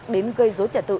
đến gây dối trả tự